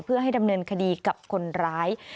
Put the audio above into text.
เพื่อให้ดำเนินคดีกับคนร้าย